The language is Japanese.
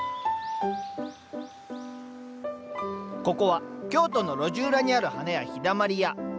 ここは京都の路地裏にある花屋「陽だまり屋」。